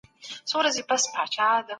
ایا کورني سوداګر وچ انار پلوري؟